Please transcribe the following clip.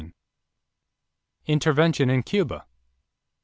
=Intervention in Cuba.